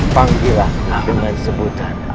panggilah dengan sebutan